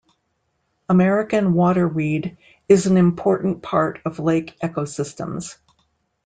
American water weed is an important part of lake ecosystems.